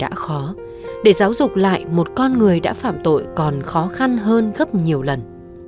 giáo dục một con người đã khó để giáo dục lại một con người đã phạm tội còn khó khăn hơn gấp nhiều lần